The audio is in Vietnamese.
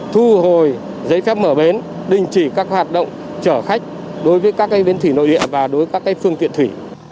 thu hồi giấy phép mở bến đình chỉ các hoạt động chở khách đối với các bến thủy nội địa và đối với các phương tiện thủy